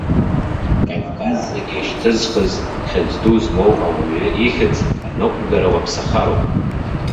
Кавказ зегьы шьҭызхыз, хьыӡ ду змоу ауаҩы ихьӡ аныҟәгара уаԥсахароуп!